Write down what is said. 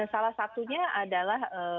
salah satunya adalah